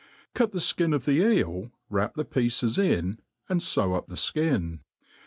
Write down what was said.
Cut the (Idn of the eel ^ wrap the pieces tn^ and few op the flan.